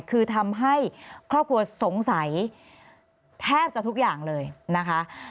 คือทำให้ครอบครัวสงสัยแทบจะทุกอย่างเลยนะคะ